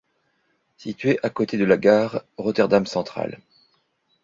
Situé à côté de la gare Rotterdam-Central.